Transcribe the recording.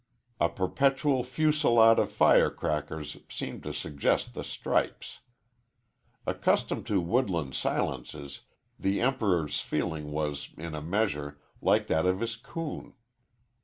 A perpetual fusillade of fire crackers seemed to suggest the stripes. Accustomed to woodland silences, the Emperor's feeling was, in a measure, like that of his coon.